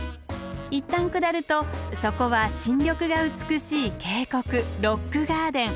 いったん下るとそこは新緑が美しい渓谷ロックガーデン。